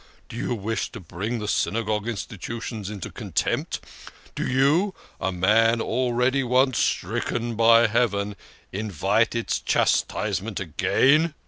Do you wish to bring the Synagogue institutions into contempt? Do you a man already once stricken by Heaven in vite its chastisement again